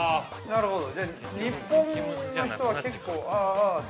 なるほど。